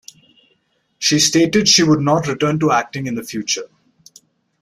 She stated she would not return to acting in the future.